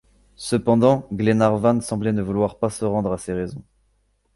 Cependant, Glenarvan semblait ne vouloir pas se rendre à ces raisons.